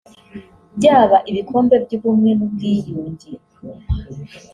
byaba ibikombe by’ubumwe n’ubwiyunge